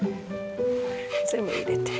全部入れて。